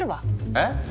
えっ？